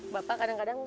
bapak kadang kadang bawa